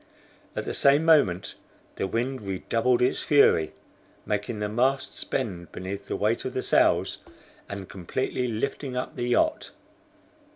At the same moment the wind redoubled its fury, making the masts bend beneath the weight of the sails, and completely lifting up the yacht.